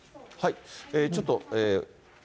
ちょっと。